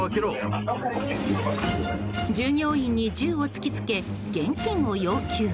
従業員に銃を突きつけ現金を要求。